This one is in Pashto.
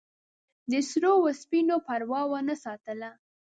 د سرو او سپینو پروا ونه ساتله.